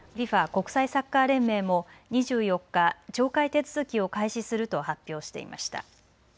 ・国際サッカー連盟も２４日、懲戒手続きを開始すると発表していました。